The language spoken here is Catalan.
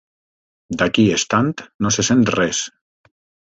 D'aquí estant no se sent res.